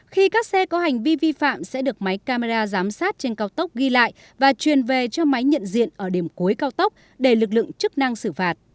khi các xe có hành vi vi phạm sẽ được máy camera giám sát trên cao tốc ghi lại và truyền về cho máy nhận diện ở điểm cuối cao tốc để lực lượng chức năng xử phạt